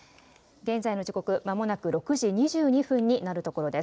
現在の時刻、まもなく６時２２分になるところです。